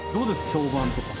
評判とか。